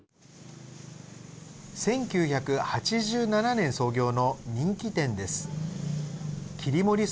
１９８７年創業の人気店です。